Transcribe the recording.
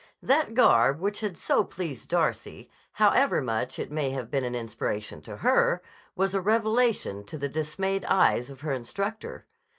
That garb which had so pleased Darcy, however much it may have been an inspiration to her, was a revelation to the dismayed eyes of her instructor.